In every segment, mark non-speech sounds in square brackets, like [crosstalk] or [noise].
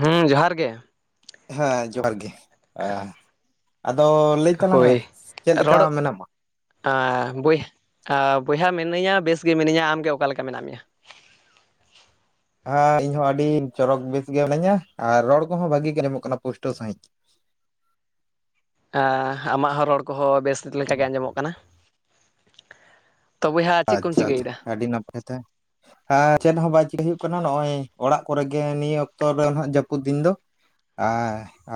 ᱦᱮᱸ ᱡᱚᱦᱟᱨ ᱜᱮ, ᱦᱮᱸ ᱡᱚᱦᱟᱨ ᱜᱮ ᱦᱮᱸ ᱟᱫᱚ ᱞᱟᱹᱭ ᱛᱟᱞᱟᱝ ᱢᱮ ᱦᱳᱭ ᱪᱮᱫ ᱞᱮᱠᱟ ᱨᱚᱲ ᱢᱮᱱᱟᱢᱟ। ᱵᱚᱭᱦᱟ ᱢᱤᱱᱟᱹᱧᱟ ᱵᱮᱥ ᱜᱮ ᱢᱤᱱᱟᱹᱧᱟ ᱟᱢᱜᱮ ᱚᱠᱟ ᱞᱮᱠᱟ ᱢᱮᱱᱟᱜ ᱢᱮᱭᱟ। ᱦᱮᱸ ᱤᱧ ᱦᱚᱸ ᱟᱹᱰᱤ ᱪᱚᱨᱚᱠ ᱵᱮᱥ ᱜᱮ ᱢᱤᱱᱟᱹᱧᱟ ᱟᱨ ᱨᱚᱲ ᱠᱚᱦᱚᱸ ᱵᱷᱟᱹᱜᱤ ᱜᱮ ᱟᱸᱡᱚᱢᱚᱜ ᱠᱟᱱᱟ ᱯᱩᱥᱴᱟᱹᱣ ᱥᱟᱺᱦᱤᱡ। ᱟᱢᱟᱜ ᱦᱚᱸ ᱨᱚᱲ ᱠᱚᱦᱚᱸ ᱵᱮᱥ ᱞᱮᱠᱟᱜᱮ ᱟᱸᱡᱚᱢᱚᱜ ᱠᱟᱱᱟ। ᱛᱚ ᱵᱚᱭᱦᱟ ᱪᱮᱫ ᱠᱚᱢ ᱟᱪᱪᱷᱟ ᱟᱪᱪᱷᱟ ᱪᱤᱠᱟᱹᱭᱮᱫᱟ? ᱟᱹᱰᱤ ᱱᱟᱯᱟᱭ ᱛᱟᱦᱚᱞᱮ। ᱦᱮᱸ ᱪᱮᱫ ᱦᱚᱸ ᱵᱟᱭ ᱪᱤᱠᱟᱹᱭ ᱦᱩᱭᱩᱜ ᱠᱟᱱᱟ ᱱᱚᱜᱼᱚᱭ ᱚᱲᱟᱜ ᱠᱚᱨᱮ ᱜᱮ ᱱᱤᱭᱟᱹ ᱚᱠᱛᱚ ᱨᱮ ᱦᱟᱸᱜ ᱡᱟᱹᱯᱩᱫ ᱫᱤᱱ ᱫᱚ। ᱟᱻ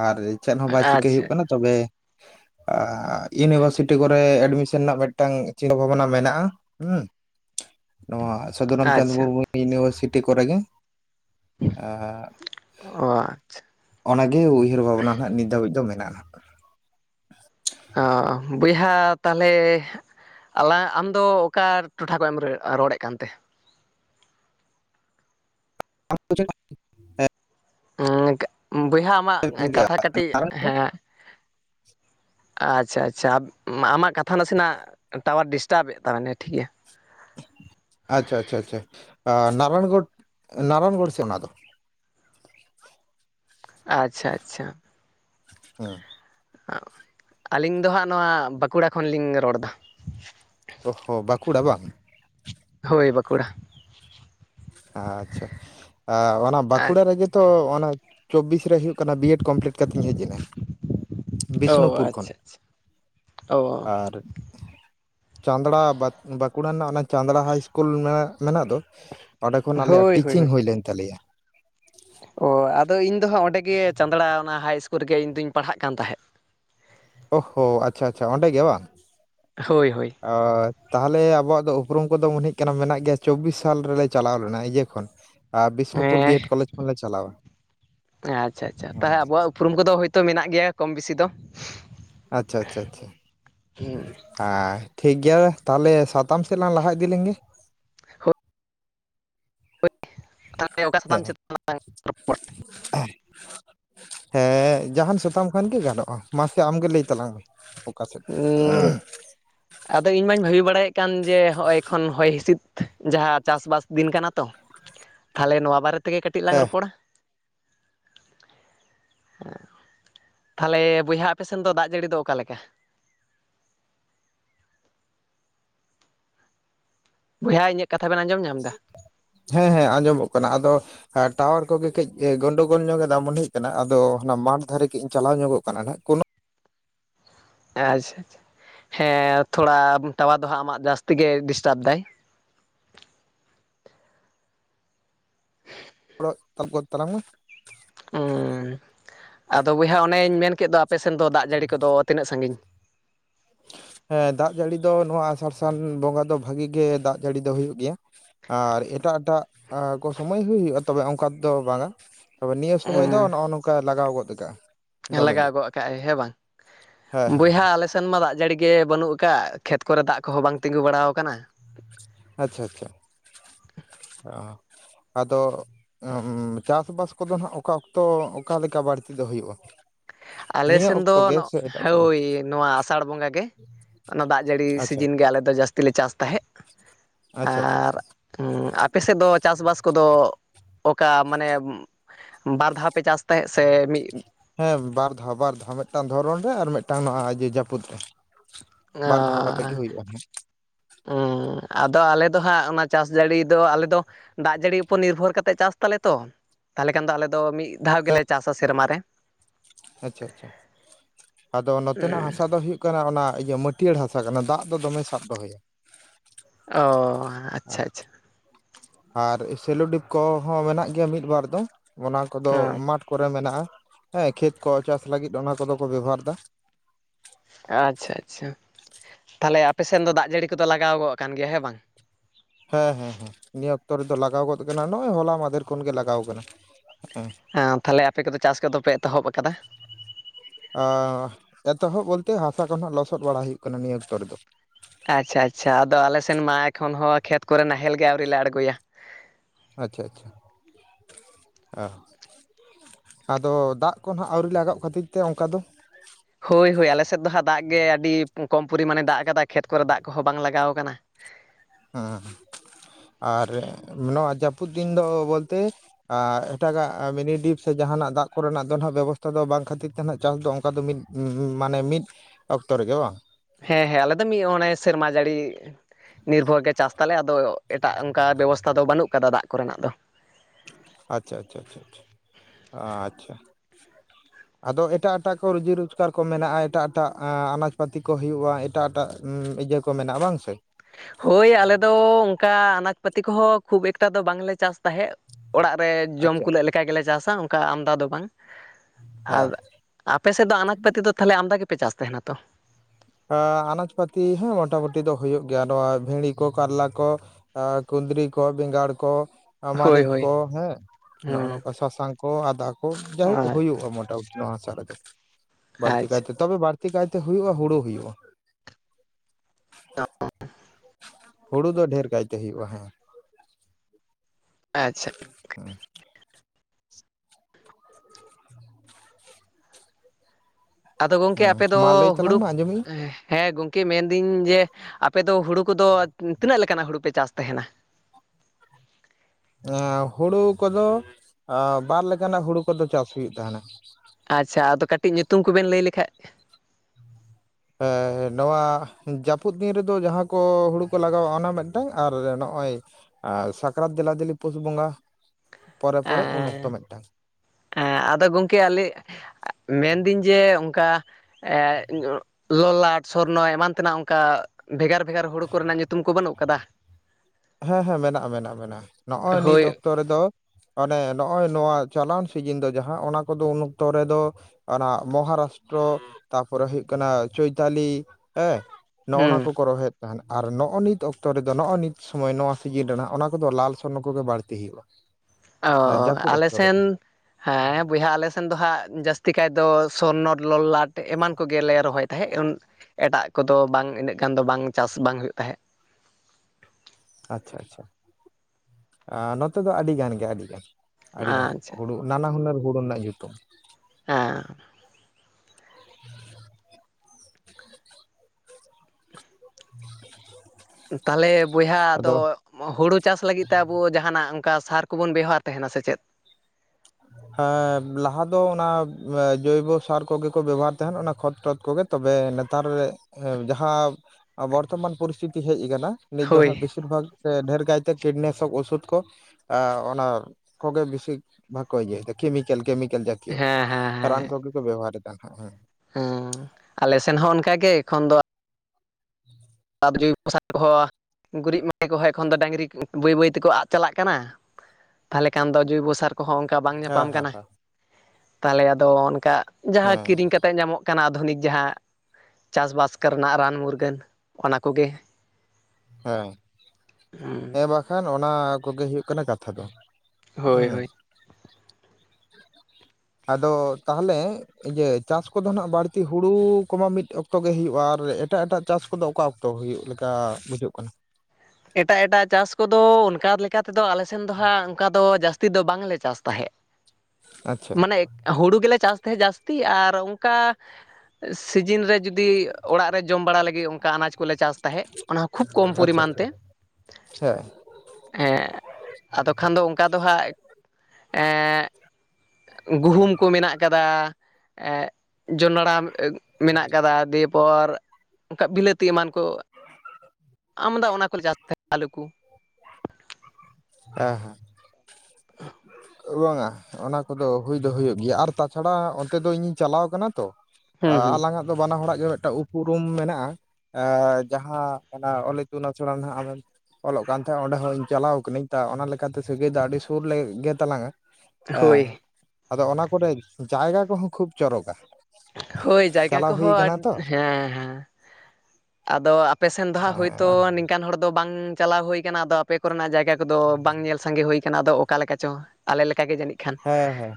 ᱟᱨ ᱪᱮᱫ ᱦᱚᱸ ᱵᱟᱭ ᱪᱤᱠᱟᱹᱭ ᱦᱩᱭᱩᱜ ᱟᱪᱪᱷᱟ ᱠᱟᱱᱟ ᱛᱚᱵᱮ ᱤᱭᱩᱱᱤᱵᱷᱟᱨᱥᱤᱴᱤ ᱠᱚᱨᱮ ᱮᱰᱢᱤᱥᱚᱱ, ᱨᱮᱱᱟᱜ ᱢᱤᱫᱴᱟᱹᱝ ᱪᱤᱱᱛᱟᱹ ᱵᱷᱟᱵᱽᱱᱟ ᱢᱮᱱᱟᱜᱼᱟ ᱱᱚᱣᱟ ᱥᱟᱹᱫᱷᱩ ᱨᱟᱢᱪᱟᱸᱫᱽ ᱟᱪᱪᱷᱟ ᱢᱩᱨᱢᱩ, ᱤᱭᱩᱱᱤᱵᱷᱟᱨᱥᱤᱴᱤ ᱠᱚᱨᱮᱜᱮ। ᱚ ᱟᱪᱪᱷᱟ, ᱚᱱᱟᱜᱮ ᱩᱭᱦᱟᱹᱨ ᱵᱷᱟᱵᱽᱱᱟ ᱱᱷᱟᱜ ᱱᱤᱛ ᱫᱷᱟᱹᱵᱤᱡ ᱫᱚ ᱢᱮᱱᱟᱜᱼᱟ [unintelligible] ᱟᱻ ᱵᱚᱭᱦᱟ ᱛᱟᱦᱞᱮ, ᱟᱞᱟᱝ ᱟᱢᱫᱚ ᱚᱠᱟ ᱴᱚᱴᱷᱟ ᱠᱷᱚᱭᱮᱜ ᱮᱢ ᱨᱚᱲᱮᱫ ᱠᱟᱱᱛᱮ। ᱟᱪ [unintelligible] ᱵᱚᱭᱦᱟ ᱟᱢᱟᱜ ᱜᱮᱭᱟ ᱠᱟᱛᱷᱟ ᱠᱟᱹᱴᱤᱡ ᱱᱟᱨᱟᱭᱚᱱᱜᱚᱲ ᱦᱮᱸ, [inaudible] ᱟᱪᱪᱷᱟ ᱟᱪᱪᱷᱟ ᱟᱢᱟᱜ ᱠᱟᱛᱷᱟ ᱱᱟᱥᱮᱱᱟᱜ ᱴᱟᱣᱟᱨ ᱰᱤᱥᱴᱟᱵᱮᱫ ᱛᱟᱵᱮᱱᱟ ᱴᱷᱤᱠ ᱜᱮᱭᱟ। ᱟᱪᱪᱷᱟ ᱟᱪᱪᱷᱟ ᱟᱪᱪᱷᱟ, ᱱᱟᱨᱟᱱᱜᱚᱲ ᱱᱟᱨᱟᱱᱜᱚᱲ ᱥᱮ ᱚᱱᱟ ᱫᱚ, ᱟᱪᱪᱷᱟ ᱟᱪᱪᱷᱟ, ᱦᱩᱸ ᱟᱹᱞᱤᱧ ᱫᱚ ᱦᱟᱸᱜ ᱱᱚᱣᱟ ᱵᱟᱸᱠᱩᱲᱟ ᱠᱷᱚᱱᱞᱤᱧ ᱨᱚᱲᱫᱟ। ᱚᱦᱚᱻ ᱵᱟᱠᱩᱲᱟ ᱵᱟᱝ, ᱦᱚᱭ ᱵᱟᱠᱩᱲᱟ, ᱟᱪᱪᱷᱟ ᱟᱻ ᱚᱱᱟ ᱟᱨ ᱵᱟᱠᱩᱲᱟ ᱨᱮᱜᱮ ᱛᱚ ᱚᱱᱟ ᱪᱚᱵᱽᱵᱤᱥ ᱨᱮ ᱦᱩᱭᱩᱜ ᱠᱟᱱᱟ ᱵᱤᱭᱮᱰ ᱠᱚᱢᱯᱞᱤᱴ ᱠᱟᱛᱮᱧ ᱦᱮᱡ ᱮᱱᱟ ᱚ ᱵᱤᱥᱱᱚᱯᱩᱨ ᱠᱷᱚᱱ ᱟᱪᱪᱷᱟ ᱟᱪᱪᱷᱟ ᱚ ᱟᱨ ᱪᱟᱸᱫᱽᱲᱟ ᱵᱟᱛ ᱵᱟᱠᱩᱲᱟ ᱨᱮᱱᱟᱜ ᱚᱱᱟ ᱪᱟᱸᱫᱽᱲᱟ ᱦᱟᱭ ᱤᱥᱠᱩᱞ ᱢᱮᱱᱟᱜ ᱢᱮᱱᱟᱜ ᱫᱚ ᱚᱸᱰᱮ ᱠᱷᱚᱱ ᱟᱞᱮᱭᱟᱜ ᱦᱳᱭ ᱦᱳᱭ ᱴᱤᱪᱤᱝ ᱦᱳᱭ ᱦᱩᱭ ᱞᱮᱱ ᱛᱟᱞᱮᱭᱟ ᱚ ᱟᱫᱚ ᱤᱧ ᱫᱚ ᱦᱟᱸᱜ ᱚᱸᱰᱮ ᱜᱮ ᱪᱟᱸᱫᱽᱲᱟ ᱚᱱᱟ ᱦᱟᱭ ᱤᱥᱠᱩᱞ ᱨᱮᱜᱮ ᱤᱧ ᱫᱩᱧ ᱯᱟᱲᱦᱟᱜ ᱠᱟᱱ ᱛᱟᱦᱮᱸᱫ ᱚᱦᱚ ᱟᱪᱪᱷᱟ ᱟᱪᱪᱷᱟ ᱚᱸᱰᱮ ᱜᱮ ᱵᱟᱝ ᱦᱳᱭ ᱦᱳᱭ ᱚᱻ ᱛᱟᱦᱚᱞᱮ ᱟᱵᱚᱣᱟᱜ ᱫᱚ ᱩᱯᱨᱩᱢ ᱠᱚᱫᱚ ᱢᱚᱱᱮᱜ ᱠᱟᱱᱟ ᱢᱮᱱᱟᱜ ᱜᱮᱭᱟ ᱪᱚᱵᱽᱵᱤᱥ ᱥᱟᱞ ᱨᱮᱞᱮ ᱪᱟᱞᱟᱣ ᱞᱮᱱᱟ ᱤᱭᱟᱹ ᱠᱷᱚᱱ ᱟᱨ ᱵᱤᱥᱱᱩᱯᱩᱨ ᱦᱮᱸ ᱵᱤᱭᱮᱰ ᱠᱚᱞᱮᱡᱽ ᱠᱷᱚᱱᱞᱮ ᱪᱟᱞᱟᱣᱟ ᱟᱪᱪᱷᱟ ᱟᱪᱪᱷᱟ ᱦᱚᱸ ᱛᱟᱦᱚᱞᱮ ᱟᱵᱚᱣᱟᱜ ᱩᱯᱨᱩᱢ ᱠᱚᱫᱚ ᱦᱳᱭᱛᱳ ᱢᱮᱱᱟᱜ ᱜᱮᱭᱟ ᱠᱚᱢ ᱵᱮᱥᱤ ᱫᱚ ᱟᱪᱪᱷᱟ ᱟᱪᱪᱷᱟ ᱟᱪᱪᱷᱟ ᱦᱮᱸ ᱟᱻ ᱴᱷᱤᱠ ᱜᱮᱭᱟ ᱛᱟᱦᱚᱞᱮ ᱥᱟᱛᱟᱢ ᱥᱮᱫ ᱞᱟᱝ ᱞᱟᱦᱟ ᱤᱫᱤ ᱞᱮᱱ ᱜᱮ ᱦᱳᱭ ᱛᱟᱦᱚᱞᱮ ᱚᱠᱟ ᱥᱟᱛᱟᱢ ᱪᱮᱛ [unintelligible] ᱦᱮᱸ ᱡᱟᱦᱟᱱ ᱥᱟᱛᱟᱢ ᱠᱷᱚᱱ ᱜᱮ ᱜᱟᱱᱚᱜ-ᱟ ᱢᱟᱥᱮ ᱟᱢᱜᱮ ᱞᱟᱹᱭ ᱛᱟᱞᱟᱝ ᱢᱮ ᱚᱠᱟ ᱥᱮᱫ ᱟᱫᱚ ᱤᱧ ᱢᱟᱹᱧ ᱵᱷᱟᱹᱵᱤ ᱵᱟᱲᱟᱭᱮᱫ ᱠᱟᱱ ᱡᱮ ᱦᱚᱜ-ᱚᱭ ᱠᱷᱚᱱ ᱦᱚᱭ ᱦᱤᱸᱥᱤᱫ ᱡᱟᱦᱟᱸ ᱪᱟᱥᱵᱟᱥ ᱫᱤᱱ ᱠᱟᱱᱟ ᱛᱚ ᱛᱟᱦᱮᱞᱮ ᱱᱚᱣᱟ ᱵᱟᱨᱮ ᱛᱮᱜᱮ ᱠᱟᱹᱴᱤᱡ ᱞᱟᱝ ᱦᱮᱸ ᱨᱚᱯᱚᱲᱟ ᱦᱮᱸᱻ ᱛᱟᱦᱚᱞᱮ ᱵᱚᱭᱦᱟ ᱟᱯᱮ ᱥᱮᱱ ᱫᱚ ᱫᱟᱜ ᱡᱟᱹᱲᱤ ᱫᱚ ᱚᱠᱟ ᱞᱮᱠᱟ? ᱵᱚᱭᱦᱟ ᱤᱧᱟᱹᱜ ᱠᱟᱛᱷᱟ ᱵᱮᱱ ᱟᱸᱡᱚᱢ ᱧᱟᱢ ᱮᱫᱟ ᱦᱮᱸ ᱦᱮᱸ ᱟᱸᱡᱚᱢᱚᱜ ᱠᱟᱱᱟ ᱟᱫᱚ ᱦᱮᱸ ᱴᱟᱣᱟᱨ ᱠᱚᱜᱮ ᱠᱟᱹᱡ ᱜᱚᱱᱰᱳᱜᱳᱞ ᱧᱚᱜ ᱮᱫᱟ ᱢᱚᱱᱮ ᱦᱩᱭᱩᱜ ᱠᱟᱱᱟ ᱟᱫᱚ ᱚᱱᱟ [unintelligible] ᱫᱷᱟᱨᱮ ᱠᱟᱹᱡ ᱤᱧ ᱪᱟᱞᱟᱣ ᱧᱚᱜᱚᱜ ᱠᱟᱱᱟᱜ ᱠᱟᱱᱟ ᱱᱟᱜ ᱠᱳᱱᱳ ᱦᱮᱸ ᱟᱪᱪᱷᱟ ᱟᱪᱪᱷᱟ ᱦᱮᱸ ᱛᱷᱚᱲᱟ ᱴᱟᱣᱟᱨ ᱫᱚ ᱦᱟᱸᱜ ᱟᱢᱟᱜ ᱡᱟᱹᱥᱛᱤ ᱜᱮ ᱰᱤᱥᱴᱟᱵᱽ ᱮᱫᱟᱭ [unintelligible] ᱩᱸ ᱟᱫᱚ ᱵᱚᱭᱦᱟ ᱚᱱᱮᱧ ᱢᱮᱱ ᱠᱮᱫ ᱫᱚ ᱟᱯᱮ ᱥᱮᱱ ᱫᱚ ᱫᱟᱜ ᱡᱟᱹᱲᱤ ᱠᱚᱫᱚ ᱛᱤᱱᱟᱹᱜ ᱥᱟᱺᱜᱤᱧ ᱦᱮᱸ ᱫᱟᱜ ᱡᱟᱹᱲᱤ ᱫᱚ ᱱᱚᱣᱟ ᱟᱥᱟᱲ ᱥᱟᱱ ᱵᱚᱸᱜᱟ ᱫᱚ ᱵᱷᱟᱹᱜᱤ ᱜᱮ ᱫᱟᱜ ᱡᱟᱹᱲᱤ ᱫᱚ ᱦᱩᱭᱩᱜ ᱜᱮᱭᱟ᱾ ᱟᱨ ᱮᱴᱟᱜ ᱮᱴᱟᱜ ᱟᱻ ᱠᱚ ᱥᱚᱢᱚᱭ ᱦᱩᱭᱩᱜ ᱜᱮᱭᱟ ᱛᱚᱵᱮ ᱚᱱᱠᱟ ᱫᱚ ᱵᱟᱝᱟ ᱛᱚᱵᱮ ᱱᱤᱭᱟᱹ ᱥᱚᱢᱚᱭ ᱫᱚ ᱱᱚᱜ-ᱚ ᱱᱚᱝᱠᱟ ᱞᱟᱜᱟᱣ ᱜᱚᱫ ᱠᱟᱜ-ᱟ ᱦᱮᱸ ᱞᱟᱜᱟᱣ ᱜᱚᱜ ᱠᱟᱜ ᱟᱭ ᱦᱮᱸ ᱵᱟᱝ ᱦᱮᱸ ᱵᱚᱭᱦᱟ ᱦᱮᱸ ᱟᱞᱮ ᱥᱮᱫ ᱥᱮᱱ ᱢᱟ ᱫᱟᱜ ᱡᱟᱹᱲᱤ ᱜᱮ ᱵᱟᱹᱱᱩᱜ ᱟᱠᱟᱜ ᱠᱷᱮᱛ ᱠᱚᱨᱮ ᱫᱟᱜ ᱠᱚᱦᱚᱸ ᱵᱟᱝ ᱛᱤᱸᱜᱩ ᱵᱟᱲᱟᱣᱟᱠᱟᱱᱟ᱾ ᱟᱪᱪᱷᱟ ᱟᱪᱪᱷᱟ ᱚ ᱟᱫᱚ ᱟᱢ ᱪᱟᱥᱵᱟᱥ ᱠᱚᱫᱚ ᱦᱟᱸᱜ ᱚᱠᱟ ᱚᱠᱛᱚ ᱚᱠᱟ ᱞᱮᱠᱟ ᱵᱟᱹᱲᱛᱤ ᱫᱚ ᱦᱩᱭᱩᱜ-ᱟ? ᱟᱞᱮ ᱥᱮᱱ ᱫᱚ ᱱᱚᱜ ᱥᱚᱢᱚᱭ? ᱦᱳᱭ ᱱᱚᱣᱟ ᱟᱥᱟᱲ ᱵᱚᱸᱜᱟ ᱜᱮ ᱚᱱᱟ ᱫᱟᱜ ᱡᱟᱹᱲᱤ ᱟᱪᱪᱷᱟ ᱥᱤᱡᱤᱱ ᱜᱮ ᱟᱞᱮ ᱫᱚ ᱡᱟᱹᱥᱛᱤ ᱞᱮ ᱪᱟᱥ ᱛᱟᱦᱮᱸᱜ ᱟᱪᱪᱷᱟ ᱟᱪᱪᱷᱟ ᱟᱨ ᱦᱩᱸ ᱟᱯᱮ ᱥᱮᱫ ᱫᱚ ᱪᱟᱥᱵᱟᱥ ᱠᱚᱫᱚ ᱚᱠᱟ ᱢᱟᱱᱮ ᱵᱟᱨ ᱫᱷᱟᱣ ᱯᱮ ᱪᱟᱥ ᱛᱟᱦᱮᱸᱫ ᱥᱮ ᱢᱤᱫ ᱦᱮᱸ ᱵᱟᱨ ᱫᱷᱟᱣ ᱵᱟᱨ ᱫᱷᱟᱣ ᱢᱤᱫᱴᱟᱝ ᱫᱷᱚᱨᱚᱱ ᱨᱮ ᱟᱨ ᱢᱤᱫᱴᱟᱝ ᱱᱚᱣᱟ ᱡᱮ ᱡᱟᱹᱡᱟᱹᱯᱩᱫ ᱨᱮ ᱵᱟᱨ ᱫᱷᱟᱣ ᱠᱟᱛᱮᱫ ᱜᱮ ᱦᱩᱭᱩᱜ-ᱟ᱾ ᱩᱸ ᱟᱫᱚ ᱟᱞᱮ ᱫᱚ ᱦᱟᱸᱜ ᱚᱱᱟ ᱪᱟᱥ ᱡᱟᱹᱲᱤ ᱫᱚ ᱟᱞᱮ ᱫᱚ ᱫᱟᱜ ᱡᱟᱹᱲᱤ ᱩᱯᱚᱨ ᱱᱤᱨᱵᱷᱚᱨ ᱠᱟᱛᱮᱫ ᱪᱟᱥ ᱛᱟᱞᱮ ᱛᱚ ᱛᱟᱦᱚᱞᱮ ᱠᱷᱟᱱ ᱫᱚ ᱟᱞᱮ ᱫᱚ ᱢᱤᱫ ᱫᱷᱟᱣ ᱜᱮᱞᱮ ᱦᱮᱸ ᱪᱟᱥᱟ ᱥᱮᱨᱢᱟ ᱨᱮ ᱟᱪᱪᱷᱟ ᱟᱪᱪᱷᱟ ᱟᱫᱚ ᱱᱚᱛᱮᱱᱟᱜ ᱦᱟᱥᱟ ᱫᱚ ᱦᱩᱭᱩᱜ ᱠᱟᱱᱟ ᱚᱱᱟ ᱤᱭᱟᱹ ᱢᱟᱹᱴᱭᱟᱹᱲ ᱦᱟᱥᱟ ᱠᱟᱱᱟ ᱫᱟᱜ ᱫᱚ ᱫᱚᱢᱮ ᱥᱟᱵ ᱫᱚᱦᱚᱭᱟ᱾ ᱚ ᱦᱟᱸ ᱟᱪᱪᱷᱟ ᱟᱪᱪᱷᱟ ᱟᱨ ᱥᱮᱞᱳᱰᱤᱯ ᱠᱚᱦᱚᱸ ᱢᱮᱱᱟᱜ ᱜᱮᱭᱟ ᱢᱤᱫ ᱵᱟᱨ ᱫᱚ ᱚᱱᱟ ᱠᱚᱫᱚ ᱚ ᱢᱟᱴᱷ ᱠᱚᱨᱮ ᱢᱮᱱᱟᱜᱼᱟ ᱦᱮᱸ ᱠᱷᱮᱛ ᱠᱚ ᱪᱟᱥ ᱞᱟᱹᱜᱤᱫ ᱚᱱᱟ ᱠᱚᱫᱚ ᱠᱚ ᱵᱮᱵᱚᱦᱟᱨ ᱫᱟ ᱟᱪᱪᱷᱟ ᱟᱪᱪᱷᱟ ᱛᱟᱦᱚᱞᱮ ᱟᱯᱮ ᱥᱮᱱ ᱫᱚ ᱫᱟᱜ ᱡᱟᱹᱲᱤ ᱠᱚᱫᱚ ᱞᱟᱜᱟᱣ ᱜᱚᱜ ᱠᱟᱱ ᱜᱮᱭᱟ ᱦᱮᱸ ᱵᱟᱝ ᱦᱮᱸ ᱦᱮᱸ ᱦᱮᱸ ᱱᱤᱭᱟᱹ ᱚᱠᱛᱚ ᱨᱮᱫᱚ ᱞᱟᱜᱟᱣ ᱜᱚᱫ ᱠᱟᱱᱟ ᱱᱚᱜ-ᱚᱭ ᱦᱚᱞᱟ ᱢᱟᱫᱷᱮᱨ ᱠᱷᱚᱱ ᱜᱮ ᱞᱟᱜᱟᱣ ᱠᱟᱱᱟ ᱦᱮᱸ ᱦᱮᱸᱛᱟᱦᱚᱞᱮ ᱟᱯᱮ ᱠᱚᱫᱚ ᱪᱟᱥ ᱠᱚᱫᱚᱯᱮ ᱮᱛᱚᱦᱚᱵ ᱟᱠᱟᱫᱟ ᱾ ᱟ ᱟ ᱮᱛᱚᱦᱚᱵ ᱵᱚᱞᱛᱮ ᱦᱟᱥᱟ ᱠᱚᱦᱟᱸᱜ ᱞᱚᱥᱚᱫ ᱵᱟᱲᱟ ᱦᱩᱭᱩᱜ ᱠᱟᱱᱟ ᱱᱤᱭᱟᱹ ᱚᱠᱛᱚ ᱨᱮᱫᱚ ᱾ ᱟᱪᱪᱷᱟ ᱟᱪᱪᱷᱟ ᱟᱫᱚ ᱟᱞᱮ ᱥᱮᱫ ᱢᱟ ᱮᱠᱷᱚᱱ ᱦᱚᱸ ᱠᱷᱮᱛ ᱠᱚᱨᱮ ᱱᱟᱦᱮᱞ ᱜᱮ ᱟᱹᱣᱨᱤ ᱞᱮ ᱟᱬᱜᱚᱭᱟ ᱾ ᱟᱪᱪᱷᱟ ᱟᱪᱪᱷᱟ! ᱟᱸ ᱟᱫᱚ ᱫᱟᱜ ᱠᱚ ᱱᱷᱟᱜ ᱟᱹᱣᱨᱤ ᱞᱟᱜᱟᱣᱜ ᱠᱷᱟᱹᱛᱤᱨ ᱛᱮ ᱚᱱᱠᱟ ᱫᱚ ᱦᱳᱭ ᱦᱳᱭ ᱟᱞᱮᱥᱮᱫ ᱫᱚ ᱦᱟᱸᱜ ᱫᱟᱜ ᱜᱮ ᱟᱹᱰᱤ ᱠᱚᱢ ᱯᱚᱨᱤ ᱢᱟᱱᱮ ᱫᱟᱜ ᱟᱠᱟᱫᱟ ᱠᱷᱮᱛ ᱠᱚᱨᱮ ᱫᱟᱜ ᱠᱚᱦᱚᱸ ᱵᱟᱝ ᱞᱟᱜᱟᱣ ᱠᱟᱱᱟ ᱾ ᱦᱟᱸ ᱟᱨ ᱱᱚᱣᱟ ᱡᱟᱹᱯᱩᱫ ᱫᱤᱱ ᱫᱚ ᱵᱚᱞᱛᱮ [inaudible] ᱟᱸ ᱮᱴᱟᱜᱟᱜ ᱢᱤᱱᱤ ᱰᱤᱯ ᱥᱮ ᱡᱟᱦᱟᱱᱟᱜ ᱫᱟᱜ ᱠᱚᱨᱮᱱᱟᱜ ᱫᱚ ᱱᱟᱦᱟᱸᱜ ᱵᱮᱵᱚᱥᱛᱷᱟ ᱫᱚ ᱵᱟᱝ ᱠᱷᱟᱹᱛᱤᱨ ᱛᱮ ᱦᱟᱸᱜ ᱪᱟᱥ ᱫᱚ ᱚᱱᱠᱟ ᱫᱚ ᱢᱤᱫ [unintelligible] ᱢᱟᱱᱮ ᱢᱤᱫ ᱚᱠᱛᱚ ᱨᱮᱜᱮ ᱵᱟᱝ? ᱦᱮᱸ ᱦᱮᱸ ᱟᱞᱮ ᱫᱚ ᱢᱤᱫ ᱚᱱᱮ ᱥᱮᱨᱢᱟ ᱡᱟᱹᱲᱤ [inaudible] ᱱᱤᱨᱵᱷᱚᱨ ᱜᱮ ᱪᱟᱥ ᱛᱟᱞᱮ ᱟᱫᱚ ᱮᱴᱟᱜ ᱚᱱᱠᱟ ᱵᱮᱵᱚᱥᱛᱷᱟ ᱫᱚ ᱵᱟᱹᱱᱩᱜ ᱟᱠᱟᱫᱟ ᱫᱟᱜ ᱠᱚᱨᱮᱱᱟᱜ ᱫᱚ ᱾ ᱟᱪᱪᱷᱟ ᱟᱪᱪᱷᱟ ᱟᱪᱪᱷᱟ ᱟᱪᱷᱟ [unintelligible] ᱟᱫᱚ ᱮᱴᱟᱜ ᱮᱴᱟᱜ ᱠᱚ ᱨᱩᱡᱤ ᱨᱳᱡᱽᱜᱟᱨ ᱠᱚ ᱢᱮᱱᱟᱜ-ᱟ ᱮᱴᱟᱜ ᱮᱴᱟᱜ ᱟᱱᱟᱡᱽᱯᱟᱹᱛᱤ ᱠᱚ ᱦᱩᱭᱩᱜ-ᱟ ᱮᱴᱟᱜ ᱮᱴᱟᱜ ᱤᱭᱟᱹ ᱠᱚ ᱠᱚ ᱢᱮᱱᱟᱜᱼᱟ ᱵᱟᱝ ᱥᱮ ᱾ ᱦᱳᱭ ᱟᱞᱮ ᱫᱚ ᱚᱱᱠᱟ ᱟᱱᱟᱡᱽ ᱯᱟᱹᱛᱤ ᱠᱚᱦᱚᱸ ᱠᱷᱩᱵ ᱮᱠᱴᱟ ᱫᱚ ᱵᱟᱝᱞᱮ ᱪᱟᱥ ᱛᱟᱦᱮᱸᱫ ᱾ ᱚᱲᱟᱜ ᱨᱮ ᱡᱚᱢ ᱟᱪᱪᱷᱟ ᱠᱩᱞᱟᱹᱜ ᱞᱮᱠᱟ ᱜᱮᱞᱮ ᱪᱟᱥᱟ ᱚᱱᱠᱟ ᱟᱢᱫᱟ ᱫᱚ ᱵᱟᱝ ᱟᱨ ᱦᱮᱸ [unintelligible] ᱟᱯᱮ ᱥᱮᱫ ᱫᱚ ᱟᱱᱟᱡᱽ ᱯᱟᱹᱛᱤ ᱫᱚ ᱛᱟᱦᱚᱞᱮ ᱟᱢᱫᱟ ᱜᱮᱯᱮ ᱪᱟᱥ ᱛᱟᱦᱮᱱᱟ ᱛᱚ ᱾ ᱟ ᱟᱱᱟᱡᱽᱯᱟᱹᱛᱤ ᱦᱮᱸ ᱢᱚᱴᱟᱢᱩᱴᱤ ᱫᱚ ᱦᱩᱭᱩᱜ ᱜᱮᱭᱟ ᱱᱚᱣᱟ ᱵᱷᱤᱲᱤ ᱠᱚ ᱠᱟᱨᱞᱟ ᱠᱚ ᱾ ᱟᱸᱠᱩᱱᱫᱽᱨᱤ ᱠᱚ ᱵᱮᱸᱜᱟᱲ ᱠᱚ ᱾ ᱟ ᱦᱳᱭ ᱢᱟᱹᱨᱤᱪ ᱦᱳᱭ ᱠᱚ ᱦᱮᱸ ᱦᱩᱸ ᱱᱚᱜᱼᱚᱱᱚᱝᱠᱟ ᱥᱟᱥᱟᱝ ᱠᱚ ᱟᱫᱟ ᱠᱚ ᱾ ᱠᱚ ᱡᱟᱦᱟᱭ ᱠᱚ ᱦᱩᱭᱩᱜᱼᱟ ᱢᱚᱴᱟᱢᱩᱴᱤ ᱱᱚᱣᱟ ᱦᱟᱥᱟᱲ ᱨᱮᱫᱚ ᱵᱟᱹᱲᱛᱤ ᱟᱪᱪᱷᱟ ᱠᱟᱭᱛᱮ ᱾ ᱛᱚᱵᱮ ᱵᱟᱹᱲᱛᱤ ᱠᱟᱭᱛᱮ ᱦᱩᱭᱩᱜᱼᱟ ᱦᱩᱲᱩ ᱦᱩᱭᱩᱜᱼᱟ ᱾ [inaudible] ᱦᱩᱲᱩ ᱫᱚ ᱰᱷᱮᱨ ᱠᱟᱭᱛᱮ ᱦᱩᱭᱩᱜᱼᱟ ᱦᱮᱸ ᱾ ᱟᱪᱪᱷᱟ ᱦᱩᱸ [inaudible] ᱟᱫᱚ ᱜᱚᱝᱠᱮ ᱦᱮᱸ ᱟᱯᱮ ᱫᱚ ᱢᱟ ᱞᱟᱹᱭ ᱦᱩᱲᱩ ᱛᱟᱞᱟᱝ ᱢᱮ ᱟᱸᱡᱚᱢᱤᱧ ᱦᱮᱸ ᱜᱚᱝᱠᱮ ᱢᱮᱱᱫᱟᱹᱧ ᱡᱮ ᱟᱯᱮᱚ ᱦᱩᱲᱩ ᱠᱚᱫᱚ ᱛᱤᱱᱟᱹᱜ ᱞᱮᱠᱟᱱᱟᱜ ᱦᱩᱲᱩ ᱯᱮ ᱪᱟᱥ ᱛᱟᱦᱮᱱᱟ? ᱮᱸ ᱦᱩᱲᱩ ᱠᱚᱫᱚ ᱵᱟᱨ ᱞᱮᱠᱟᱱᱟᱜ ᱦᱩᱲᱩ ᱠᱚᱫᱚ ᱪᱟᱥ ᱦᱩᱭᱩᱜ ᱛᱟᱦᱮᱱᱟ ᱾ ᱟᱪᱪᱷᱟ ᱟᱫᱚ ᱠᱟᱹᱴᱤᱡ ᱧᱩᱛᱩᱢ ᱠᱚᱵᱮᱱ ᱞᱟᱹᱭ ᱞᱮᱠᱷᱟᱡ? [unintelligible] ᱱᱚᱣᱟ ᱡᱟᱹᱯᱩᱫ ᱫᱤᱱ ᱨᱮᱫᱚ ᱡᱟᱦᱟᱸ ᱠᱚ ᱦᱩᱲᱩ ᱠᱚ ᱞᱟᱜᱟᱣᱟ ᱚᱱᱟ ᱢᱤᱫᱴᱟᱝ ᱟᱨ ᱱᱚᱜᱼᱚᱭ... [unintelligible] ᱟᱨ ᱥᱟᱠᱨᱟᱛ ᱫᱮᱞᱟ ᱫᱮᱞᱤ ᱯᱩᱥ ᱵᱚᱸᱜᱟ ᱾ ᱦᱮᱸ ᱦᱮᱸ ᱟᱫᱚ ᱜᱚᱝᱠᱮ ᱟᱞᱮ [inaudible] ᱢᱮᱱᱫᱟᱹᱧ ᱡᱮ ᱚᱱᱠᱟ ᱮ ᱞᱚᱞᱟᱴ, ᱥᱚᱨᱱᱚ, ᱮᱢᱟᱱ ᱛᱮᱱᱟᱜ ᱚᱱᱠᱟ ᱵᱷᱮᱜᱟᱨ ᱵᱷᱮᱜᱟᱨ ᱦᱩᱲᱩ ᱠᱚᱨᱮᱱᱟᱜ ᱧᱩᱛᱩᱢ ᱠᱚ ᱵᱟᱹᱱᱩᱜ ᱟᱠᱟᱫᱟ? ᱦᱮᱸ ᱦᱮᱸ ᱢᱮᱱᱟᱜᱼᱟ ᱢᱮᱱᱟᱜ ᱢᱮᱱᱟᱜᱼᱟ ᱱᱚᱜᱼᱚᱭ ᱱᱤᱛ ᱦᱳᱭ ᱚᱠᱛᱚ ᱨᱮᱫᱚ ᱢᱟᱱᱮ ᱱᱚᱜᱼᱚᱭ ᱱᱚᱣᱟ ᱪᱞᱟᱣ ᱥᱤᱡᱤᱱ ᱫᱚ ᱡᱟᱦᱟᱸ ᱚᱱᱟ ᱠᱚᱫᱚ ᱩᱱ ᱚᱠᱛᱚ ᱨᱮᱫᱚ [inaudible] ᱚᱱᱟ ᱢᱚᱦᱟᱨᱟᱥᱴᱨᱚ, ᱛᱟᱨᱯᱚᱨᱮ ᱦᱩᱭᱩᱜ ᱠᱟᱱᱟ ᱪᱳᱭᱛᱟᱞᱤ ᱦᱮᱸ ᱾ ᱱᱚᱜᱼ ᱱᱟ ᱦᱩᱸ ᱠᱚ ᱨᱚᱦᱚᱭᱮᱫ ᱛᱟᱦᱮᱸ ᱛᱟᱦᱮᱱ ᱟᱨ ᱱᱚᱜᱼᱚ ᱱᱤᱛ ᱚᱠᱛᱚ ᱨᱮᱫᱚ ᱱᱚᱜᱼᱚᱭ ᱱᱤᱛ [inaudible] ᱥᱚᱢᱚᱭ ᱱᱚᱣᱟ ᱥᱤᱡᱤᱱ ᱨᱮᱱᱟᱜ ᱚᱱᱟ ᱠᱚᱫᱚ ᱞᱟᱞ ᱥᱚᱨᱱᱚ ᱠᱚᱜᱮ ᱵᱟᱹᱲᱛᱤ ᱦᱩᱭᱩᱜᱼᱟ ᱾ ᱚ ᱟᱞᱮᱮᱥᱱ ᱦᱮᱸ ᱵᱚᱭᱦᱟ ᱟᱞᱮᱮᱥᱱ ᱫᱚ ᱦᱟᱸᱜ ᱡᱟᱹᱥᱛᱤ ᱠᱟᱭ ᱫᱚ ᱥᱚᱨᱱᱚ ᱞᱚᱞᱞᱟᱴ ᱮᱢᱟᱱ ᱠᱚᱜᱮᱞᱮ [inaudible] ᱨᱚᱦᱚᱭ ᱛᱟᱦᱮᱸᱜ ᱮ ᱮᱴᱟᱜ ᱠᱚᱫᱚ ᱵᱟᱝ ᱤᱱᱟᱹᱜ ᱜᱟᱱ ᱫᱚ ᱵᱟᱝ ᱪᱟᱥ ᱵᱟᱝ ᱦᱩᱭᱩᱜ ᱛᱟᱦᱮᱸᱫ ᱾ ᱟᱪᱪᱷᱟ ᱟᱪᱪᱷᱟ ᱱᱚᱛᱮ ᱫᱚ ᱟᱹᱰᱤ ᱜᱟᱱ ᱜᱮ ᱟᱹᱰᱤᱜᱟᱱ ᱟᱹᱰᱤᱜᱟᱱ ᱟᱪᱪᱷᱟ ᱦᱩᱲᱩ ᱾ ᱱᱟᱱᱟ ᱦᱩᱱᱟᱹᱨ ᱦᱩᱲᱩ ᱨᱮᱱᱟᱜ ᱧᱩᱛᱩᱢ? ᱮᱸ [unintelligible] ᱛᱟᱦᱚᱞᱮ ᱵᱚᱭᱦᱟ ᱟᱫᱚ [inaudible] ᱦᱩᱲᱩ ᱪᱟᱥ ᱞᱟᱹᱜᱤᱫ ᱛᱮ ᱟᱵᱚ ᱡᱟᱦᱟᱱᱟᱜ ᱚᱱᱠᱟ ᱥᱟᱨ ᱠᱚᱵᱚᱱ ᱵᱮᱣᱦᱟᱨ ᱛᱟᱦᱮᱱᱟ ᱥᱮ ᱪᱮᱫ? [inaudible] ᱟᱸ ᱞᱟᱦᱟ ᱫᱚ ᱚᱱᱟ ᱡᱳᱭᱵᱚ ᱥᱟᱨ ᱠᱚᱜᱮ ᱠᱚ ᱵᱮᱵᱚᱦᱟᱨ ᱛᱟᱦᱮᱱ ᱚᱱᱟ ᱠᱷᱚᱛ ᱴᱚᱛ ᱠᱚᱜᱮ ᱛᱚᱵᱮ ᱱᱮᱛᱟᱨ ᱡᱟᱦᱟᱸ ᱵᱚᱨᱛᱚᱢᱟᱱ ᱯᱚᱨᱤᱥᱛᱷᱤᱛᱤ ᱦᱮᱡ ᱟᱠᱟᱱᱟ ᱱᱤᱛ ᱫᱚ ᱦᱳᱭ ᱦᱟᱸᱜ ᱵᱮᱥᱤᱨ ᱵᱷᱟᱜᱽ ᱥᱮ ᱰᱷᱮᱨ ᱠᱟᱭᱛᱮ ᱠᱤᱴᱱᱟᱥᱚᱠ ᱚᱥᱩᱫᱽ ᱠᱚ ᱚᱱᱟ ᱠᱚᱜᱮ ᱵᱮᱥᱤ ᱵᱟᱠᱚ [unintelligible] ᱠᱮᱢᱤᱠᱮᱞ ᱠᱮᱢᱤᱠᱮᱞ ᱡᱟᱛᱤᱭ ᱦᱮᱸ ᱦᱮᱸ ᱨᱟᱱ ᱠᱚᱜᱮᱠᱚ ᱵᱮᱵᱷᱟᱨᱮᱫᱟ ᱱᱟᱜ ᱠᱷᱟᱱ ᱦᱚᱸ ᱟᱞᱮ ᱥᱮᱱ ᱦᱚᱸ ᱚᱱᱠᱟᱜᱮ ᱮᱠᱷᱚᱱ ᱫᱚ [inaudible] [unintelligible] ᱠᱚᱦᱚᱸ ᱮᱠᱷᱚᱱ ᱫᱚ ᱰᱟᱹᱝᱨᱤ ᱵᱟᱹᱭ ᱵᱟᱹᱭ ᱛᱮᱠᱚ ᱟᱫ ᱪᱟᱞᱟᱜ ᱠᱟᱱᱟ ᱛᱟᱦᱚᱞ ᱠᱷᱟᱱ ᱫᱚ ᱡᱳᱭᱵᱚᱥᱟᱨ ᱦᱚᱸᱚᱱᱠᱟ ᱵᱟᱝ ᱦᱮᱸ ᱧᱟᱯᱟᱢ ᱦᱮᱸ ᱠᱟᱱᱟ ᱛᱟᱦᱚᱞᱮ ᱟᱫᱚ ᱚᱱᱠᱟ ᱡᱟᱦᱟᱸ ᱦᱮᱸ ᱠᱤᱨᱤᱧ ᱠᱟᱛᱮ ᱛ ᱧᱟᱢᱚᱜ ᱠᱟᱱᱟ ᱟᱫᱷᱩᱱᱤᱠ ᱡᱟᱦᱟᱸ ᱪᱟᱥᱵᱟᱥ ᱠᱚᱨᱮᱱᱟᱜ ᱨᱟᱱ ᱢᱩᱨᱜᱟᱹᱱ ᱚᱱᱟ ᱠᱚᱜᱮ ᱾ ᱦᱮᱸ ᱦᱮᱸ ᱵᱟᱠᱷᱟᱱ ᱚᱱᱟ ᱠᱚᱜᱮ ᱦᱩᱭᱩᱜ ᱠᱟᱱᱟ ᱠᱟᱛᱷᱟ ᱫᱚ ᱦᱳᱭ ᱦᱩᱸ ᱦᱳᱭ [inaudible] ᱟᱫᱚ ᱛᱟᱦᱚᱞᱮ ᱤᱡᱮ ᱪᱟᱥ ᱠᱚᱫᱚ ᱦᱟᱸᱜ ᱵᱟᱹᱲᱛᱤ ᱦᱩᱲᱩ ᱠᱚᱢᱟ ᱢᱤᱫ ᱚᱠᱛᱚ ᱜᱮ ᱦᱩᱭᱩᱜᱼᱟ ᱟᱨ ᱮᱴᱟᱜ ᱮᱴᱟᱜ ᱪᱟᱥ ᱠᱚᱫᱚ ᱚᱠᱟ ᱚᱠᱛᱚ ᱛᱚ ᱦᱩᱭᱩᱜ ᱞᱮᱠᱟ ᱵᱩᱡᱩᱜ ᱠᱟᱱᱟ ᱮᱴᱟᱜ ᱮᱴᱟᱜ ᱪᱟᱥ ᱠᱚᱫᱚ ᱚᱱᱠᱟ ᱞᱮᱠᱟᱛᱮᱫᱚ ᱟᱞᱮ ᱥᱮᱱ ᱫᱚᱦᱟᱸᱜ ᱚᱱᱠᱟ ᱫᱚ ᱡᱟᱹᱥᱛᱤ ᱫᱚ ᱵᱟᱝᱞᱮ ᱪᱟᱥ ᱛᱟᱦᱮᱸᱫ ᱟᱪᱪᱷᱟ ᱢᱟᱱᱮ ᱦᱩᱲᱩ ᱜᱮᱞᱮ ᱪᱟᱥ ᱛᱟᱦᱮᱸᱜ ᱡᱟᱹᱥᱛᱤ ᱟᱨ ᱚᱱᱠᱟ ᱥᱤᱡᱤᱱ ᱨᱮ ᱡᱩᱫᱤ ᱚᱲᱟᱜ ᱨᱮ ᱡᱚᱢ ᱵᱟᱲᱟ ᱞᱟᱹᱜᱤᱫ ᱚᱱᱠᱟ ᱟᱱᱟᱡ ᱠᱚ ᱠᱚᱞᱮ ᱪᱟᱥ ᱛᱟᱦᱮᱸᱫ ᱚᱱᱟ ᱦᱚᱸ ᱠᱷᱩᱵ ᱠᱚᱢ ᱯᱚᱨᱤᱢᱟᱱ ᱛᱮ ᱪᱷᱟ ᱦᱮᱸ ᱟᱫᱚ ᱠᱷᱟᱱ ᱫᱚ ᱚᱱᱠᱟ ᱫᱚ ᱦᱟᱸᱜ [unintelligible] ᱜᱩᱦᱩᱢ ᱠᱚ ᱢᱮᱱᱟᱜ ᱠᱟᱫᱟ ᱮᱜ ᱡᱚᱱᱚᱲᱟ ᱢᱮᱱᱟᱜ ᱟᱠᱟᱫᱟ ᱫᱮᱭ ᱯᱚᱨ ᱚᱱᱠᱟ ᱵᱤᱞᱟᱹᱛᱤ ᱮᱢᱟᱱ ᱠᱚ [inaudible] ᱟᱢᱫᱟ ᱚᱱᱟ ᱠᱚᱞᱮ ᱪᱟᱥ ᱛᱟᱦᱮᱫ ᱟᱞᱩ ᱠᱩ [unintelligible] ᱵᱟᱝᱟ ᱚᱱᱟ ᱠᱚᱫᱚ ᱦᱩᱭ ᱫᱚ ᱦᱩᱭᱩᱜ ᱜᱮᱭᱟ ᱟᱨ ᱛᱟᱪᱷᱟᱲᱟ ᱚᱱᱛᱮ ᱫᱚ ᱤᱧᱤᱧ ᱪᱟᱞᱟᱣ ᱟᱠᱟᱱᱟ ᱛᱚ ᱦᱩᱸ ᱦᱩᱸ ᱟᱞᱟᱝ ᱟᱜ ᱫᱚ ᱵᱟᱱᱟ ᱦᱚᱲᱟᱜ ᱜᱮ ᱢᱤᱫᱴᱟᱝ ᱩᱯᱨᱩᱢ ᱢᱮᱱᱟᱜᱼᱟ ᱮ ᱡᱟᱦᱟᱸ ᱚᱱᱟ ᱚᱞ ᱤᱛᱩᱱ ᱟᱥᱲᱟᱜ ᱟᱢᱮᱢ ᱚᱞᱚᱜ ᱠᱟᱱ ᱛᱟᱦᱮᱸ ᱚᱸᱰᱮ ᱦᱚᱸ ᱤᱧ ᱪᱟᱞᱟᱣ ᱠᱟᱹᱱᱟᱹᱧ ᱚᱱᱟ ᱞᱮᱠᱟᱛᱮ ᱥᱟᱹᱜᱟᱹᱭ ᱫᱚ ᱟᱹᱰᱤ ᱥᱩᱨ ᱞᱮᱜᱮ ᱛᱟᱞᱟᱝᱟ ᱦᱳᱭ ᱦᱮᱸ ᱟᱫᱚ ᱚᱱᱟ ᱠᱚᱨᱮ ᱡᱟᱭᱜᱟ ᱠᱚᱦᱚᱸ ᱠᱷᱩᱵ ᱪᱚᱨᱚᱠᱟ ᱦᱳᱭ ᱡᱟᱭᱜᱟ ᱪᱟᱞᱟᱣ ᱦᱩᱭ ᱠᱟᱱᱟ ᱠᱚᱦᱚᱸ ᱛᱚ ᱦᱮᱸ ᱦᱮᱸ ᱟᱫᱚ ᱟᱯᱮᱥᱮᱱ ᱫᱚ ᱦᱟᱸᱜ ᱦᱮᱸ ᱦᱳᱭᱛᱚ ᱠᱟᱱ ᱦᱚᱲ ᱫᱚ ᱵᱟᱝ ᱪᱟᱞᱟᱣ ᱦᱩᱭ ᱠᱟᱱᱟ ᱟᱫᱚ ᱟᱯᱮ ᱠᱚᱨᱮᱱᱟᱜ ᱡᱟᱭᱜᱟ ᱠᱚᱫᱚ ᱵᱟᱝ ᱧᱮᱞ ᱥᱟᱸᱜᱮ ᱦᱩᱭ ᱠᱟᱱᱟ‌ ᱟᱫᱚ ᱚᱠᱟᱞᱮᱠᱟ ᱪᱚᱝ ᱟᱞᱮ ᱞᱮᱠᱟᱜᱮ ᱡᱟᱹᱱᱤᱡ ᱠᱷᱟᱱ ᱦᱮᱸ ᱦᱮᱸ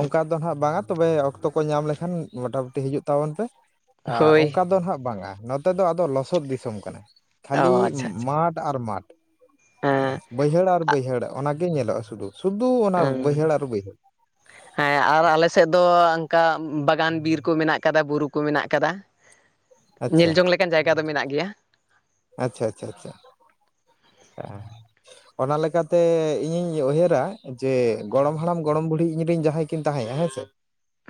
ᱚᱱᱠᱟ ᱫᱚ ᱦᱟᱜ ᱵᱟᱝᱟ ᱛᱚᱵᱮ ᱚᱠᱛᱚ ᱠᱚ ᱧᱟᱢ ᱞᱮᱠᱷᱟᱱ ᱢᱚᱴᱟᱢᱩᱴᱤ ᱦᱤᱡᱩᱜ ᱛᱟᱵᱚᱱ ᱯᱮ ᱦᱳᱭ ᱚᱱᱠᱟ ᱫᱚ ᱦᱟᱸᱜ ᱵᱟᱝᱟ ᱱᱚᱛᱮ ᱫᱚ ᱟᱫᱚ ᱞᱚᱥᱚᱫ ᱫᱤᱥᱚᱢ ᱠᱟᱱᱟ ᱚ ᱠᱷᱟᱹᱞᱤ ᱟᱪᱪᱷᱟ ᱟᱪᱪᱷᱟ ᱢᱟᱴᱷ ᱟᱨ ᱢᱟᱴ ᱦᱮᱸ ᱵᱟᱹᱭᱦᱟᱹᱲ ᱟᱨ ᱵᱟᱹᱭᱦᱟᱹᱲ ᱚᱱᱟᱜᱮ ᱧᱮᱞᱚᱜᱼᱟ ᱥᱩᱫᱩ ᱥᱩᱫᱩ ᱚᱱᱟ ᱦᱮᱸ ᱵᱟᱹᱭᱦᱟᱹᱲ ᱟᱨ ᱵᱟᱹᱭᱦᱟᱹᱲ ᱦᱮᱸ ᱟᱨ ᱟᱞᱮ ᱥᱮᱫ ᱫᱚ ᱚᱱᱠᱟ ᱵᱟᱜᱟᱱ ᱵᱤᱨ ᱠᱚ ᱢᱮᱱᱟᱜ ᱠᱟᱫᱟ ᱵᱩᱨᱩ ᱠᱩ ᱢᱮᱱᱟᱜ ᱟᱠᱟᱫᱟ ᱟᱪᱪᱷᱟ ᱧᱮᱞ ᱡᱚᱝ ᱞᱮᱠᱟᱱ ᱡᱟᱭᱜᱟ ᱫᱚ ᱢᱮᱱᱟᱜ ᱜᱮᱭᱟ ᱟᱪᱪᱷᱟ ᱟᱪᱪᱷᱟ ᱟᱪᱪᱷᱟ ᱦ [unintelligible] ᱚᱱᱟ ᱞᱮᱠᱟᱛᱮ ᱤᱧᱤᱧ ᱩᱭᱦᱟᱹᱨᱟ ᱡᱮ ᱜᱚᱲᱚᱢ ᱦᱟᱲᱟᱢ ᱜᱚᱲᱚᱢ ᱵᱩᱰᱷᱤ ᱤᱧᱨᱮ ᱨᱮᱱ ᱡᱟᱦᱟᱸᱭ ᱠᱤᱱ ᱛᱟᱦᱮᱸᱼᱟ ᱦᱮᱸ ᱥᱮ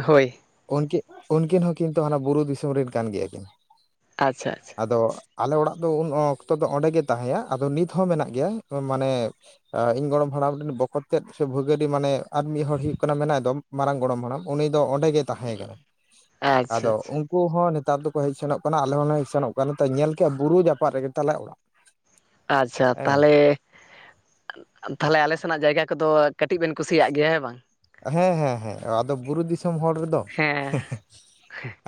ᱦᱳᱭ ᱩᱱᱠᱤᱱ ᱩᱱᱠᱤᱱ ᱦᱚᱸ ᱠᱤᱱᱛᱩ ᱦᱟᱱᱟ ᱵᱩᱨᱩ ᱫᱤᱥᱚᱢ ᱨᱮᱱ ᱠᱟᱱ ᱜᱮᱭᱟ ᱠᱤᱱ ᱟᱪᱪᱷᱟ ᱟᱪᱪᱷᱟ ᱟᱫᱚ ᱟᱞᱮ ᱚᱲᱟᱜ ᱫᱚ ᱩᱱ ᱚᱠᱛᱚ ᱫᱚ ᱚᱸᱰᱮ ᱜᱮ ᱛᱟᱦᱮᱸᱱᱟ ᱟᱫᱚ ᱱᱤᱛ ᱱᱤᱛᱦᱚᱸ ᱢᱮᱱᱟᱜ ᱜᱮᱭᱟ ᱢᱟᱱᱮ ᱤᱧ ᱜᱚᱲᱚᱢ ᱦᱟᱲᱟᱢ ᱨᱮᱱ ᱵᱚᱠᱚᱛ ᱛᱮᱫ ᱥᱮ ᱵᱷᱟᱹᱜᱟᱹᱰᱤ ᱢᱟᱱᱮ ᱟᱨ ᱢᱤᱫ ᱦᱚᱲ ᱦᱩᱭᱩᱜ ᱠᱟᱱᱟ ᱢᱮᱱᱟ ᱮᱫᱚᱢ ᱢᱟᱨᱟᱝ ᱜᱚᱲᱚᱢ ᱦᱟᱲᱟᱢ ᱩᱱᱤ ᱫᱚ ᱚᱸᱰᱮ ᱜᱮᱭ ᱛᱟᱦᱮᱸ ᱠᱟᱱᱟ ᱟᱪᱪᱷᱟ ᱟᱫᱚ ᱟᱪᱪᱷᱟ ᱩᱱᱠ ᱼᱼ ᱩᱱᱠᱩ ᱦᱚᱸ ᱱᱮᱛᱟᱨ ᱫᱚᱠᱚ ᱦᱮᱡ ᱥᱮᱱᱚᱜ ᱠᱟᱱᱟ ᱟᱞᱮ ᱦᱚᱸᱞᱮ ᱦᱮᱡ ᱥᱮᱱᱚᱜ ᱠᱟᱱᱟ ᱧᱮᱞ ᱠᱮᱼᱟ ᱵᱩᱨᱩ ᱡᱯᱟᱜ ᱨᱮᱜᱮᱟᱞᱮ ᱚᱲᱟᱜ ᱟᱪᱪᱷᱟ ᱦᱮᱸ ᱛᱟᱦᱚᱞᱮ ᱛᱟᱦᱚᱞᱮ ᱟᱞᱮ ᱥᱮᱱᱟᱜ ᱡᱟᱭᱜᱟ ᱠᱚᱫᱚ ᱠᱟᱹᱴᱤᱡ ᱵᱮᱱ ᱠᱩᱥᱤᱭᱟᱜ ᱜᱮᱭᱟ ᱦᱮᱸ ᱵᱟᱝ ᱦᱮᱸ ᱦᱮᱸ ᱦᱮᱸ ᱟᱫᱚ ᱵᱩᱨᱩ ᱫᱤᱥᱚᱢ ᱦᱚᱲ ᱨᱮᱫᱚ ᱦᱮᱸ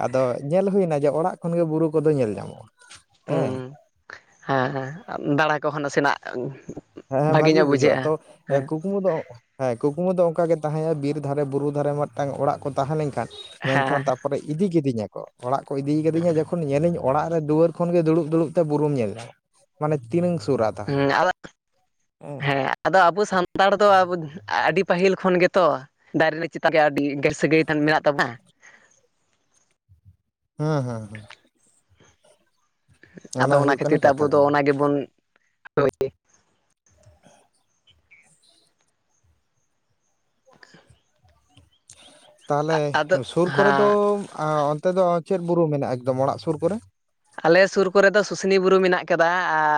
ᱟᱫᱚ ᱧᱮᱞ ᱦᱩᱭᱱᱟ ᱡᱮ ᱚᱲᱟᱜ ᱠᱷᱚᱱ ᱜᱮ ᱵᱩᱨᱩ ᱠᱚᱫᱚ ᱧᱮᱞ ᱧᱟᱢᱚᱜᱼᱟ ᱦᱮᱸ ᱦᱩᱸ ᱦᱮᱸ ᱦᱮᱸ ᱫᱟᱬᱟ ᱠᱚᱦ ᱱᱟᱥᱮᱱᱟᱜ ᱦᱮᱸ ᱦᱮᱸ ᱵᱷᱟᱜᱮ ᱵᱷᱟᱜᱤ ᱧᱚᱜ ᱵᱩᱡᱷᱟᱹ ᱛᱚ ᱵᱩᱡᱷᱟᱹᱜᱼᱟ ᱦᱮᱸ ᱠᱩᱠᱢᱩ ᱫᱚ ᱦᱮᱸ ᱠᱩᱠᱢᱩ ᱫᱚ ᱚᱱᱠᱟᱜ ᱜᱮ ᱛᱟᱦᱮᱸᱭᱟ ᱵᱤᱨ ᱫᱷᱟᱨᱮ ᱵᱩᱨᱩ ᱫᱷᱟᱨᱮ ᱢᱤᱫᱴᱟᱝ ᱚᱲᱟᱜ ᱠᱚ ᱛᱟᱦᱮᱸ ᱞᱮᱱᱠᱷᱟᱱ ᱢᱮᱱᱠᱷᱟᱱ ᱦᱮᱸ ᱛᱟᱨᱯᱚᱨᱮ ᱤᱫᱤ ᱠᱤᱫᱤᱧᱟ ᱠᱚ ᱚᱲᱟᱜ ᱠᱚ ᱤᱫᱤ ᱠᱤᱫᱤᱧᱟ ᱡᱚᱠᱷᱚᱱ ᱛᱠᱷᱚᱱ ᱧᱮᱞᱤᱧ ᱚᱲᱟᱜ ᱨᱮ ᱫᱩᱣᱟᱹᱨ ᱠᱷᱚᱱ ᱜᱮ ᱫᱩᱲᱩᱵ ᱫᱩᱲᱩᱵ ᱛᱮ ᱵᱩᱨᱩᱢ ᱧᱮᱞ ᱢᱟ ᱢᱟᱱᱮ ᱛᱤᱱᱟᱹᱝ ᱥᱩᱨᱟ ᱛᱟᱦᱚᱞᱮ ᱦᱮᱸ ᱟᱫᱚ ᱦᱮᱸ ᱟᱫᱚ ᱟᱵᱚ ᱥᱟᱱᱛᱟᱲ ᱫᱚ ᱟᱹᱰᱤ ᱯᱟᱹᱦᱤᱞ ᱠᱷᱚᱱ ᱜᱮᱛᱚ ᱫᱟᱨᱮ ᱨᱮ ᱪᱮᱛᱟᱱ ᱨᱮ ᱟᱹᱰᱤ ᱜᱮᱨ ᱥᱟᱹᱜᱟᱹᱭ ᱜᱟᱱ ᱢᱮᱱᱟᱜ ᱛᱵᱚᱱᱟ ᱦᱮᱸ ᱦᱮᱸ ᱦᱮᱸ ᱟᱫᱚ ᱚᱱᱟ ᱦᱩᱭᱩᱜ ᱠᱷᱟᱹᱛᱤᱨ ᱠᱟᱱᱟ ᱛᱮ ᱟᱵᱚ ᱠᱟᱛᱷᱟ ᱫᱚ ᱠᱟᱱᱟ ᱚᱱᱟ ᱜᱮᱵᱚᱱ [inaudible] ᱛᱟᱦᱚᱞᱮ ᱟᱫᱚ ᱥᱩᱨ ᱠᱚᱨᱮ ᱫᱚ ᱦᱮᱸ ᱚᱱᱛᱮ ᱫᱚ ᱪᱮᱫ ᱵᱩᱨᱩ ᱢᱮᱱᱟᱜᱼᱟ ᱮᱠᱫᱚᱢ ᱚᱲᱟᱜ ᱥᱩᱨ ᱠᱚᱨᱮ ᱟᱞᱮ ᱥᱩᱨ ᱠᱚᱨᱮ ᱫᱚ ᱥᱩᱥᱱᱤ ᱵᱩᱨᱩ ᱢᱮᱱᱟᱜ ᱟᱠᱟᱫᱟ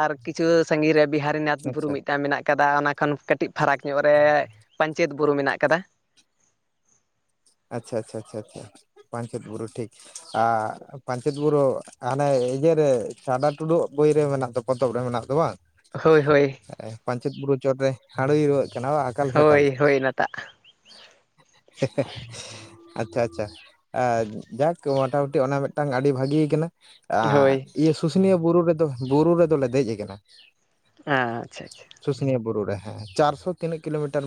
ᱟᱨ ᱠᱤᱪᱷᱩ ᱥᱟᱺᱜᱤᱧ ᱨᱮ ᱵᱤᱦᱟᱨᱤ ᱨᱤᱱᱟᱛᱷ ᱵᱩᱨᱩ ᱟᱪᱪᱷᱟ ᱢᱤᱫᱴᱟᱝ ᱢᱮᱱᱟᱜ ᱟᱠᱟᱫᱟ ᱚᱱᱟ ᱠᱷᱚᱱ ᱠᱟᱹᱴᱤᱡ ᱯᱷᱟᱨᱟᱠ ᱧᱚᱜ ᱨᱮ ᱯᱟᱧᱪᱮᱛ ᱵᱩᱨᱩ ᱢᱮᱱᱟᱜ ᱟᱠᱟᱫᱟ ᱟᱪᱪᱷᱟ ᱟᱪᱪᱷᱟ ᱟᱪᱪᱷᱟ ᱟᱪᱪᱷᱟ ᱯᱟᱧᱪᱮᱛ ᱵᱩᱨᱩ ᱴᱷᱤᱠ ᱟᱨ ᱯᱟᱧᱪᱮᱛ ᱵᱩᱨᱩ ᱦᱟᱱᱮ ᱤᱭᱟᱹ ᱨᱮ ᱪᱷᱟᱰᱟ ᱴᱩᱰᱩᱟᱹᱜ ᱵᱚᱭ ᱨᱮ ᱢᱮᱱᱟᱜ ᱫᱚ ᱯᱚᱛᱚᱵ ᱨᱮ ᱢᱮᱱᱟᱜ ᱫᱚ ᱵᱟᱝ ᱦᱳᱭ ᱦᱳᱭ ᱯᱟᱧᱪᱮᱛ ᱵᱩᱨᱩ ᱪᱚᱴᱨᱮ ᱦᱺᱬᱟᱹᱭ ᱨᱩᱣᱟᱹᱜ ᱠᱟᱱᱟ ᱟᱠᱟᱞ ᱦᱳᱭ ᱥᱟᱠᱟᱞ ᱦᱳᱭ ᱦᱳᱭ ᱱᱟᱴᱟᱜ ᱦᱮ ᱦᱮ ᱟᱪᱪᱷᱟ ᱟᱪᱪᱷᱟ ᱡᱟᱠ ᱢᱚᱴᱟᱢᱩᱴᱤ ᱚᱱᱟ ᱢᱤᱫᱴᱟᱝ ᱟᱹᱰᱤ ᱵᱷᱟᱜᱤᱠᱟᱱᱟ ᱦᱳᱭ ᱟᱨ ᱤᱭᱟᱹ ᱥᱩᱥᱩᱱᱤᱭᱟᱹ ᱵᱩᱨᱩ ᱨᱮᱫᱚ ᱵᱩᱨᱩ ᱨᱮᱫᱚᱞᱮ ᱫᱮᱡ ᱠᱟᱱᱟ ᱟᱪᱪᱷᱟ ᱟᱪᱪᱷᱟ ᱥᱩᱥᱩᱱᱤᱭᱟ ᱵᱩᱨᱩ ᱨᱮ ᱦᱮᱸ ᱪᱟᱨᱥᱚ ᱛᱤᱱᱟᱹᱜ ᱠᱤᱞᱳᱢᱤᱴᱟᱨ